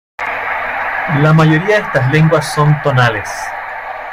La mayoría de estas lenguas son tonales.